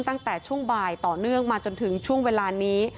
ตั้งแต่ช่วงบ่ายต่อเนื่องมาจนถึงช่วงเวลานี้